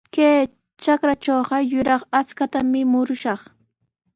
Kay trakratrawqa yuraq akshutami murushaq.